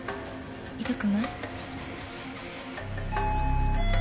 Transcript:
痛くない？